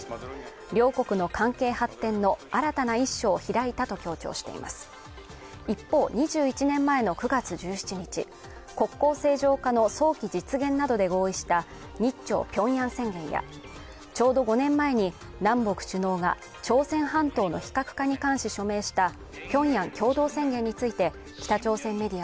両国の関係発展の新たな１章を開いたと強調しています一方２１年前の９月１７日国交正常化の早期実現などで合意した日朝平壌宣言やちょうど５年前に南北首脳が朝鮮半島の非核化に関して署名したえ？